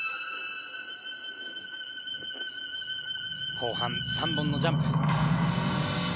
後半、３本のジャンプ。